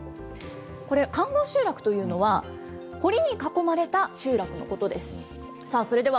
これ、環ごう集落というのは堀に囲まれた集落のことです。